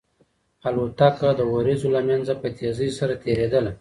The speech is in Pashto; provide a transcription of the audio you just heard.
الوتکه د وريځو له منځه په تېزۍ سره تېرېدله.